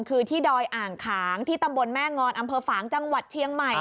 คือที่ดอยอ่างขางที่ตำบลแม่งอนอำเภอฝางจังหวัดเชียงใหม่